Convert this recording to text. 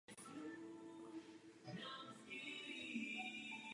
V době svého objevu však představoval samostatný nezávislý zákon.